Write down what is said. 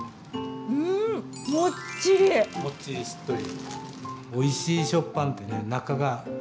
もっちりしっとり。